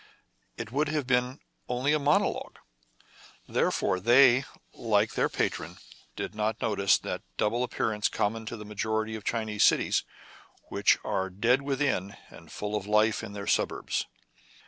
It would have been only a monologue. Therefore they, like their patron, did not notice that double appearance common to the majority of Chinese cities, which are dead within, and full of life in their suburbs.